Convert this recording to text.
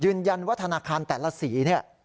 ยืนยันวัฒนาคารแต่ละสี่เนี่ย